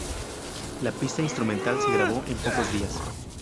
La pista instrumental se grabó en pocos días.